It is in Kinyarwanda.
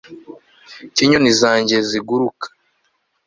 Ko inyoni zanjye ziguruka